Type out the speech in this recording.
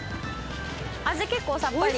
味結構さっぱり。